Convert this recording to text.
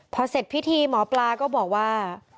พอเสร็จพิธีหมอปลาก็บอกว่า